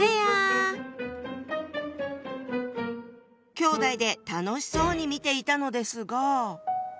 きょうだいで楽しそうに見ていたのですが。